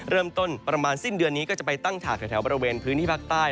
เริ่มต้นประมาณสิ้นเดือนนี้ก็จะไปตั้งฉากแถวบริเวณพื้นที่ภาคใต้